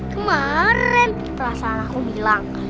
kemaren perasaan aku bilang